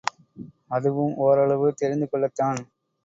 அதுவும் ஒரளவு தெரிந்து கொள்ளத்தான்!